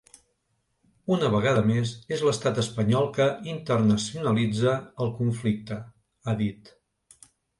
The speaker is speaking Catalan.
Una vegada més, és l’estat espanyol que internacionalitza el conflicte, ha dit.